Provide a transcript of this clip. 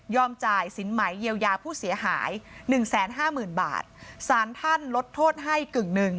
รอบศาลผู้เสียหาย๑๕๐๐๐๐๐บาทสารท่านลดโทษให้๑๕บาท